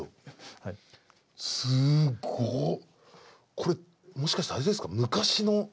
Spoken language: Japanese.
これもしかしてあれですか？